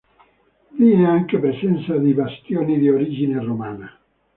Vi è anche presenza di bastioni di origine romana.